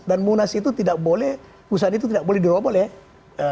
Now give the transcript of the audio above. dan munas itu tidak boleh usaha itu tidak boleh diroboh ya